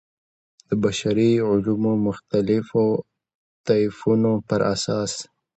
د بشري علومو مختلفو طیفونو پر اساس.